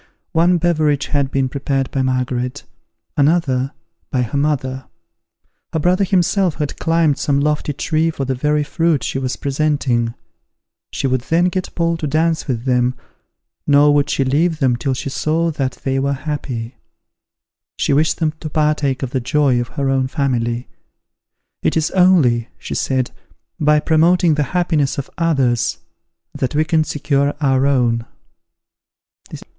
One beverage had been prepared by Margaret; another, by her mother: her brother himself had climbed some lofty tree for the very fruit she was presenting. She would then get Paul to dance with them, nor would she leave them till she saw that they were happy. She wished them to partake of the joy of her own family. "It is only," she said, "by promoting the happiness of others, that we can secure our own."